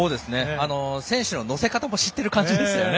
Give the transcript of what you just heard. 選手の乗せ方も知ってる感じでしたよね。